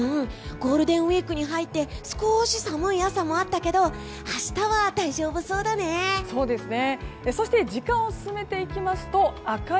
ゴールデンウィークに入って少し寒い朝もあったけど明日は大丈夫そうだね！